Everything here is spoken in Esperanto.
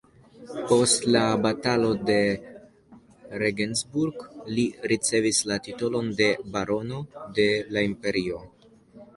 Post la Batalo de Regensburg li ricevis la titolon de barono de la imperio.